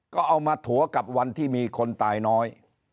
ก็เอามาถั่วกับวันที่มีคนตายน้อย